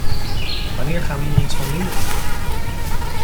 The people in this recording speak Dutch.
Wanneer gaan we hier iets van leren?